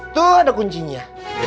tuh ada kuncinya